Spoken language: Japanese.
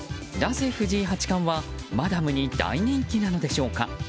なぜ藤井八冠はマダムに大人気なのでしょうか。